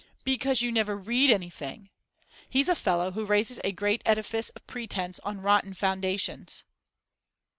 'Because you never read anything. He's a fellow who raises a great edifice of pretence on rotten foundations.